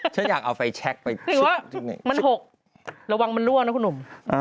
ฉันอยากเอาไฟแชคไปมันหกระวังมันรั่วนะคุณหนุ่ม